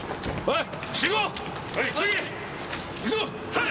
はい！